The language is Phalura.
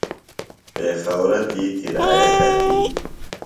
پیخورہ تی کِرایہ کتِیۡ؟